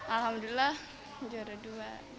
alhamdulillah juara dua